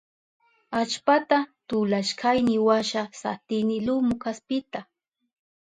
Allpata tulashkayniwasha satini lumu kaspita.